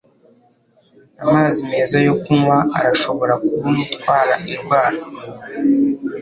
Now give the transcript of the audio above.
Amazi meza yo kunywa arashobora kuba umutwara indwara.